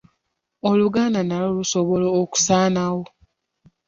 Oluganda nalwo lusobola okusaanawo?